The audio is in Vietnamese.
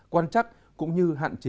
quan trắc cũng như hạn chế